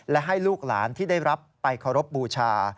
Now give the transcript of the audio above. และให้ลูกหลานที่ได้รับไปเคารพบูชา